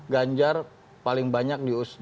ganjar paling banyak didukung oleh pdip